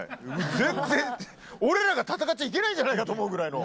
全然俺らが戦っちゃいけないんじゃないかと思うぐらいの。